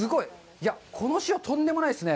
いや、この塩、とんでもないですね。